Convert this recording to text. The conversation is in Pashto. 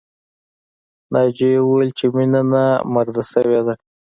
ناجیې وویل چې مینه نامزاده شوې ده